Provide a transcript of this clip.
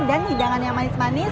dan hidangan yang manis manis